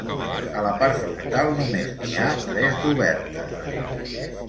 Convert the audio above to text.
A la part frontal només n'hi ha tres d'obertes.